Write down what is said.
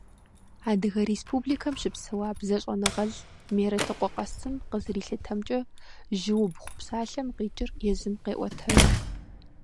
Адыгэ Республикэм щыпсэуа бзэщӀэныгъэлӀ Мерэтыкъуэ Къасым къызэрилъытэмкӀэ, «жьыубгъу» псалъэм къикӀыр езым къеӀуэтэж.